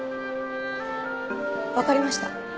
わかりました。